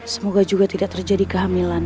semoga juga tidak terjadi kehamilan